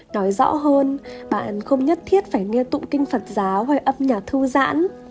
nói rõ hơn bạn không nhất thiết phải nghe tụng kinh phật giáo hay âm nhạc thư giãn